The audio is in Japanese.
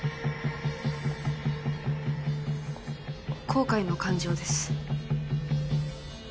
「後悔」の感情です。